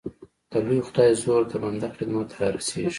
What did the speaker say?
د لوی خدای زور د بنده خدمت ته را رسېږي.